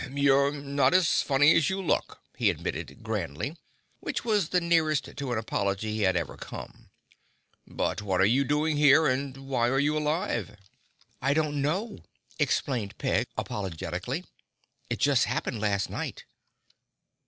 "You're not as funny as you look," he admitted grandly, which was the nearest to an apology he had ever come. "But what are you doing here and why are you alive?" "I don't know," explained Peg apologetically. "It just happened last night."